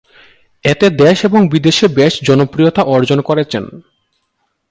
এতে দেশে এবং বিদেশে বেশ জনপ্রিয়তা অর্জন করেছেন।